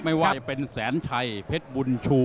ไม่เป็นแสนชัยเผ็ชบุญชู